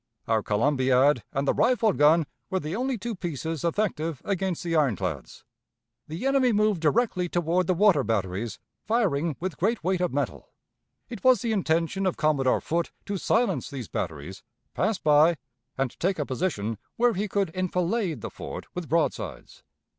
Our columbiad and the rifled gun were the only two pieces effective against the ironclads. The enemy moved directly toward the water batteries, firing with great weight of metal. It was the intention of Commodore Foote to silence these batteries, pass by, and take a position where he could enfilade the fort with broadsides.